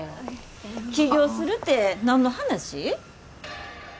起業するて何の話？